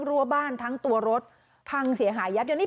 รั้วบ้านทั้งตัวรถพังเสียหายยับยนนี่